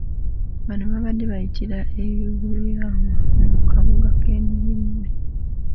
Bano babade bayitira e Unyama mu kabuga k'e Nimule.